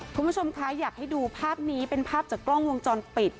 คุณผู้ชมคะอยากให้ดูภาพนี้เป็นภาพจากกล้องวงจรปิด